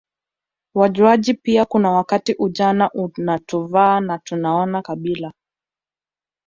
wajuaji pia kuna wakati ujana unatuvaa na tunaona kabila